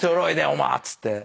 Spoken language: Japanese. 「おま」っつってね。